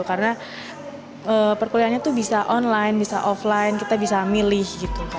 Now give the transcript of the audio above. karena perkuliannya tuh bisa online bisa offline kita bisa milih gitu kak